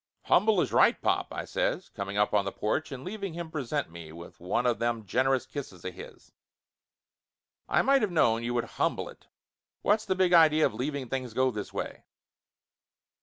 "Humble is right, pop," I says, coming up on the porch and leaving him present me with one of them generous kisses of his. "I might of known you would humble it! What's the big idea of leaving things go this way?'